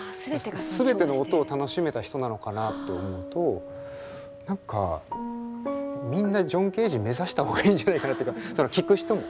全ての音を楽しめた人なのかなって思うと何かみんなジョン・ケージ目指した方がいいんじゃないかなっていうか聴く人も。